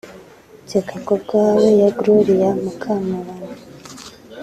Nseka ku bwawe ya Gloria Mukamabano